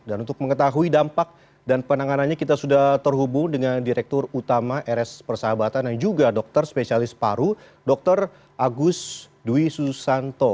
dan untuk mengetahui dampak dan penanganannya kita sudah terhubung dengan direktur utama rs persahabatan dan juga dokter spesialis paru dr agus dwi susanto